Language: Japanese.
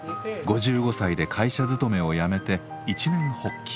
５５歳で会社勤めをやめて一念発起。